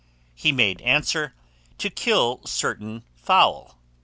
He made answer, To kill certain fowl.